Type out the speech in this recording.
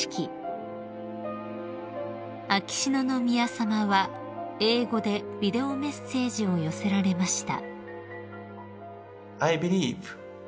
［秋篠宮さまは英語でビデオメッセージを寄せられました］